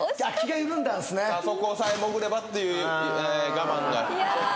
あそこさえ潜ればっていう我慢が。